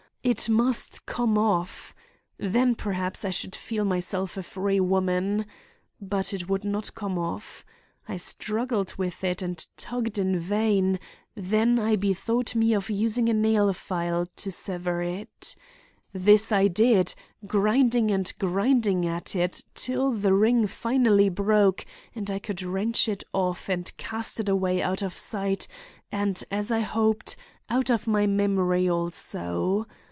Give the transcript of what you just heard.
It must come off. Then, perhaps, I should feel myself a free woman. But it would not come off. I struggled with it and tugged in vain; then I bethought me of using a nail file to sever it. This I did, grinding and grinding at it till the ring finally broke, and I could wrench it off and cast it away out of sight and, as I hoped, out of my memory also.